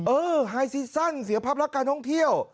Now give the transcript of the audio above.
ไฮซีซั่นเสียภาพลักษณ์การท่องเที่ยว